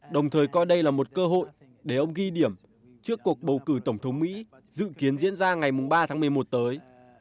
đồng thời coi đây là một cơ hội để ông ghi điểm trước cuộc bầu cử tổng thống mỹ dự kiến diễn ra ngày ba tháng một mươi một tới